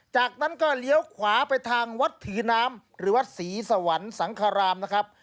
จากนั้นก็เลี้ยวขวาไปทางวัดผีน้ำหรือวัดศรีสวรรค์สังครามนะครับ